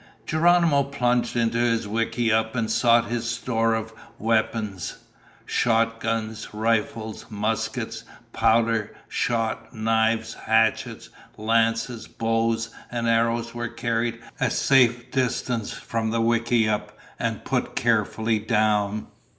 Geronimo plunged into his wickiup and sought his store of weapons. Shotguns, rifles, muskets, powder, shot, knives, hatchets, lances, bows, and arrows were carried a safe distance from the wickiup and put carefully down.